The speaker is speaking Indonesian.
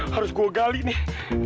harus gua gali nih